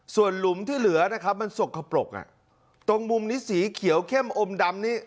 ส่วนหลุมที่เหลือนะครับมันสกปรกอ่ะตรงมุมนี้สีเขียวเข้มอมดำนี่